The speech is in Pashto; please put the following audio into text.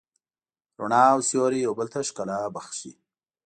رڼا او سیوری یو بل ته ښکلا بښي.